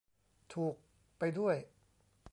ถูก ไปด้วย !